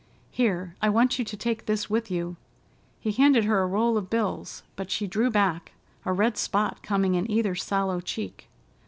Here, I want you to take this with you." He handed her a roll of bills, but she drew back, a red spot coming in either sallow cheek.